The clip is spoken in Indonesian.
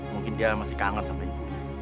mungkin dia masih kangen sama ibunya